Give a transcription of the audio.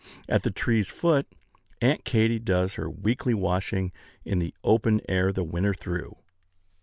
At the tree's foot, Aunt Katy does her weekly washing in the open air the winter through.